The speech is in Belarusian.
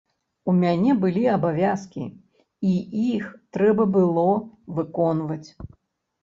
У мяне былі абавязкі, і іх трэба было выконваць.